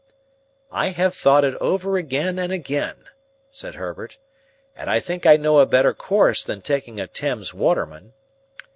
"I have thought it over again and again," said Herbert, "and I think I know a better course than taking a Thames waterman.